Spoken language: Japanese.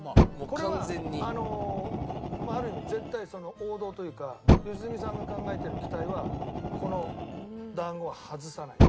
これはある意味絶対王道というか良純さんが考えてる期待はこの団子は外さない。